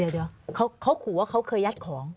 เดี๋ยวเขาขู่ว่าเขาเคยยัดของ